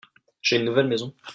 j'ai une nouvelle maison.